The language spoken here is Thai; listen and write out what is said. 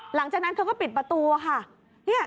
หลังจากนั้นชิคกี้พายก็ปิดประตูค่ะ